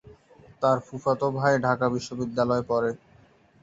তার ফুফাতো ভাই ঢাকা বিশ্ববিদ্যালয়ে পড়ে।